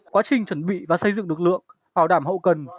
quá trình chuẩn bị và xây dựng lực lượng bảo đảm hậu cần